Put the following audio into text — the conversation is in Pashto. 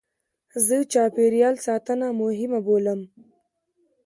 زه چاپېریال ساتنه مهمه بولم.